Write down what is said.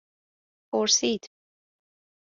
پرسید